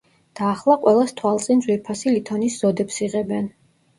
და ახლა ყველას თვალწინ ძვირფასი ლითონის ზოდებს იღებენ.